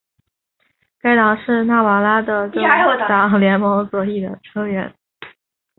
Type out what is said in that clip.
该党是纳瓦拉的政党联盟左翼的成员。